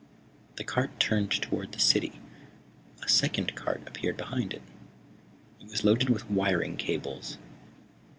The cart turned toward the city. A second cart appeared behind it. It was loaded with wiring cables.